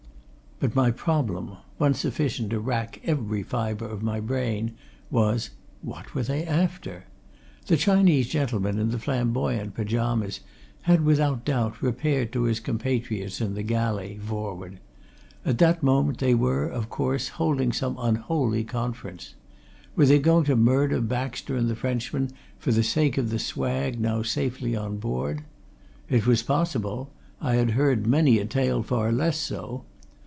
But my problem one sufficient to wrack every fibre of my brain was, what were they after? The Chinese gentleman in the flamboyant pyjamas had without doubt, repaired to his compatriots in the galley, forward: at that moment they were, of course, holding some unholy conference. Were they going to murder Baxter and the Frenchman for the sake of the swag now safely on board? It was possible: I had heard many a tale far less so.